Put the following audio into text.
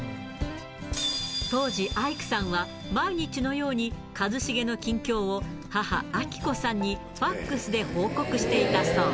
当時、アイクさんは、毎日のように一茂の近況を母、亜希子さんにファックスで報告していたそう。